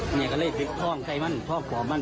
มันอยากกำลังจะพลิกท่องใจมันท่องกล่อมัน